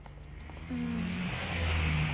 うん。